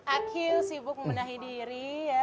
akhil sibuk membenahi diri ya